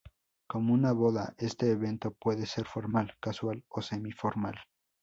Como una boda, este evento puede ser formal, casual o semi formal.